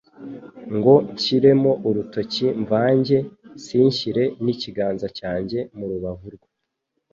ngo nshyiremo urutoki mvanjye, sinshyire n'ikiganza cyanjye mu rubavu rwe,